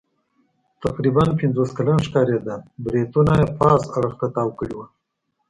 تقریباً پنځوس کلن ښکارېده، برېتونه یې پاس اړخ ته تاو کړي ول.